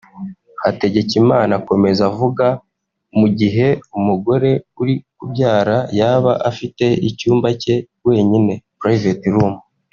Hategekimana akomeza avuga mu gihe umugore uri kubyara yaba afite icyumba cye wenyine (Private room)